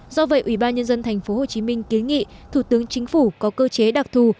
do vậy ủy ban nhân dân tp hcm kiến nghị thủ tướng chính phủ có cơ chế đặc thù